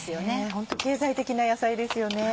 ホント経済的な野菜ですよね。